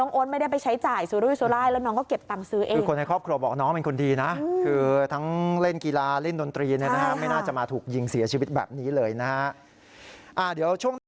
นะฮะไม่น่าจะมาถูกยิงเสียชีวิตแบบนี้เลยนะฮะอ่าเดี๋ยว